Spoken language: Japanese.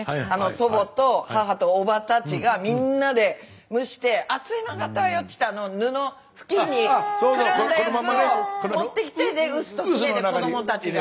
祖母と母とおばたちがみんなで蒸して「熱いのあがったわよ」っつって布布巾にくるんだやつを持ってきてで臼ときねで子どもたちが。